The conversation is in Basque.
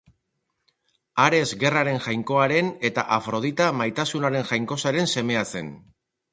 Ares gerraren jainkoaren eta Afrodita maitasunaren jainkosaren semea zen.